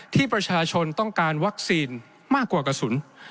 ที่ประชาชนต้องการวัคซีนมากกว่ากระสุน